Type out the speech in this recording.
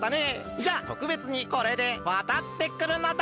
じゃあとくべつにこれでわたってくるのだ。